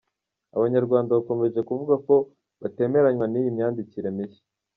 Abanyarwanda bakomeje kuvuga ko batemeranywa n’iyi myandikire mishya.